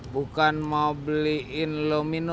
bukan mau beliin lo minum